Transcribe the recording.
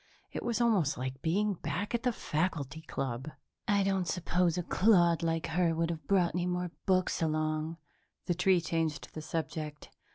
It was almost like being back at the faculty club. "I don't suppose a clod like her would have brought any more books along," the tree changed the subject.